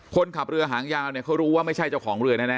คนขับเรือหางยาวเนี่ยเขารู้ว่าไม่ใช่เจ้าของเรือแน่